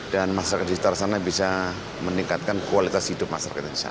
dan masyarakat di sana bisa meningkatkan kualitas hidup masyarakat di sana